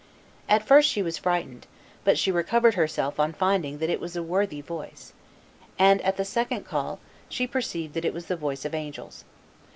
At first she was frightened, but she recovered herself on finding that "it was a worthy voice;" and, at the second call, she perceived that it was the voice of angels.